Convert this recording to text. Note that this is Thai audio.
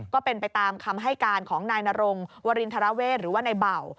ก็เป็นไปตามคำให้การของนายนรงวรินทรเวศหรือว่าในเบา